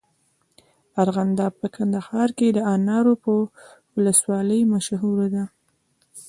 ارغنداب په کندهار کي د انارو په ولسوالۍ مشهوره دی.